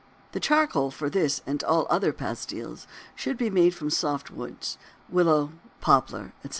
The charcoal for this and all other pastils should be made from soft woods (willow, poplar, etc.).